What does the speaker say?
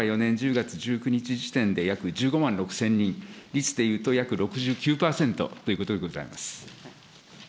４年１０月１９日の時点で約１５万６０００人、率で言うと約６９％ということでございます。